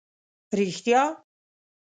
رېښتیا؟!